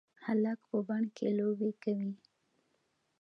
هلک په بڼ کې لوبې کوي.